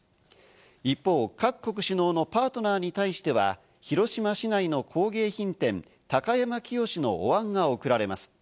一方、各国首脳のパートナーに対しては、広島市内の工芸品、高山清のお椀が贈られます。